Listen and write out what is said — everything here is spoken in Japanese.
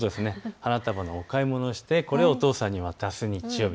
花束のお買い物をしてこれをお父さんに渡す日曜日。